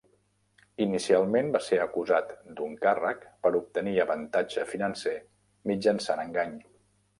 Inicialment va ser acusat d'un càrrec per obtenir avantatge financer mitjançant engany.